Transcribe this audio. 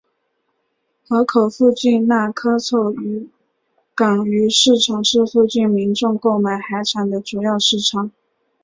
河口附近的那珂凑渔港鱼市场是附近民众购买海产的主要市场。